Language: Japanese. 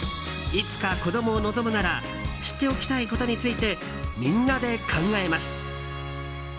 いつか子供を望むなら知っておきたいことについてみんなで考えます。